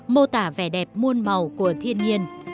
mô tả vẻ đẹp muôn màu của thiên nhiên